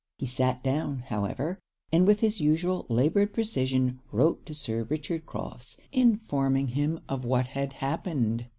He sat down, however, and with his usual laboured precision wrote to Sir Richard Crofts, informing him of what had happened.